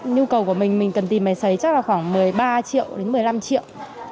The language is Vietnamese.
nhu cầu của mình mình cần tìm máy xấy chắc là khoảng một mươi ba triệu đến một mươi năm triệu